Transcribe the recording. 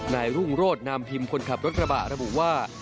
นายรุ่งโรธนามพิมพ์คนขับรถกระบะระบุว่า